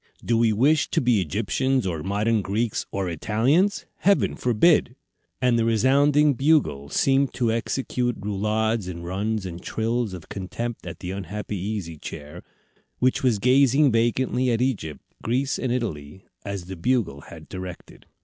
Do we wish to be Egyptians, or modern Greeks, or Italians? Heaven forbid!" And the resounding Bugle seemed to execute roulades and runs and trills of contempt at the unhappy Easy Chair, which was gazing vacantly at Egypt, Greece, and Italy, as the Bugle had directed.